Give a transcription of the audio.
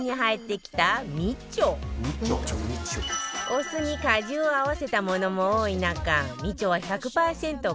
お酢に果汁を合わせたものも多い中美酢は１００パーセント